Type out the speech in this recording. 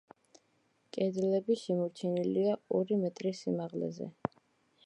კედლები შემორჩენილია ორი მეტრის სიმაღლეზე.